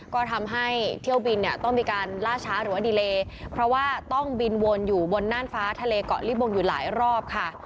ก็ทำให้เที่ยวบินเนี่ยต้องมีการล่าช้าหรือว่าดีเลเพราะว่าต้องบินวนอยู่บนน่านฟ้าทะเลเกาะลิบงอยู่หลายรอบค่ะ